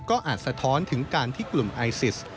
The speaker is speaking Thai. ก็อาจสะท้อนถึงการที่กลุ่มไอซิส